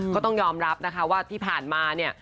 ก็ต้องยอมรับว่าที่ผ่านมานี่